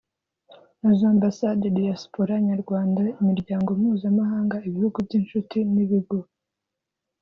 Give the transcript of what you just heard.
naza ambasade diyasipora nyarwanda imiryango mpuzamahanga ibihugu by inshuti n ibigo